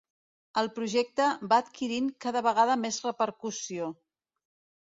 El projecte va adquirint cada vegada més repercussió.